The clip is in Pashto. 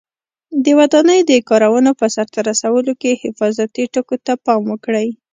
د ودانۍ د کارونو په سرته رسولو کې حفاظتي ټکو ته پام وکړئ.